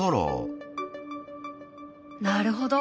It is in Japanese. なるほど。